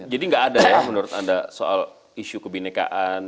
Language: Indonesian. jadi nggak ada ya menurut anda soal isu kebinekaan